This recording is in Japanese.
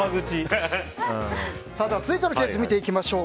続いてのケース見ていきましょう。